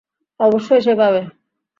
অবশ্যই সে পাবে।